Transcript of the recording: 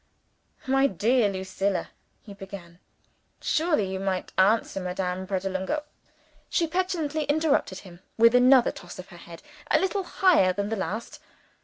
"My dear Lucilla!" he began. "Surely you might answer Madame Pratolungo " She petulantly interrupted him, with another toss of the head a little higher than the last.